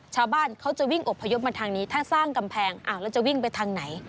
ชาวบ้านเขาจะวิ่งอบพยพมาทางนี้ถ้าสร้างกำแพงอ้าวแล้วจะวิ่งไปทางไหน